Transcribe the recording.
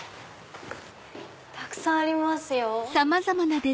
たくさんありますよ。